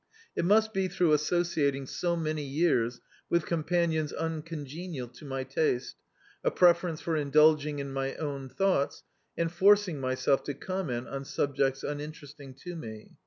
It must be throu^ associating so many years with ctnnpan ions imccmgenial to my taste, a preference for in dulging in my own thou^ts, and forcing myself to comment on subjects uninteresting to me.